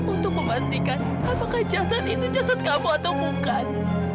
untuk memastikan apakah jasad itu jasad kamu atau bukan